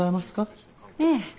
ええ。